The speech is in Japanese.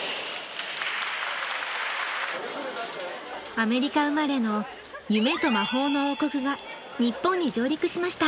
アメリカ生まれの夢と魔法の王国が日本に上陸しました。